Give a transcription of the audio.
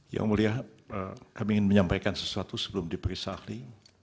yang mulia kami ingin menyampaikan sesuatu sebelum diperiksa ahli